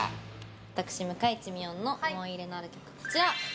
私、向井地美音の思い出のある曲はこちら。